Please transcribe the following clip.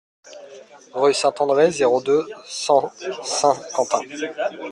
Rue Saint-André, zéro deux, cent Saint-Quentin